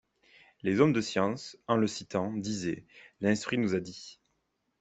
Les hommes de science, en le citant, disaient: l’instruit nous a dit.